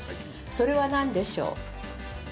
それは何でしょう？